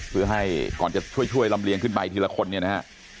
เพื่อให้ก่อนจะช่วยลำเลียงขึ้นไปทีละคนเนี่ยนะฮะ